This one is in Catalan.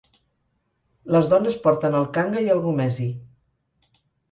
Les dones porten el kanga i el gomesi.